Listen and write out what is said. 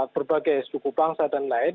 berbagai suku bangsa dan lain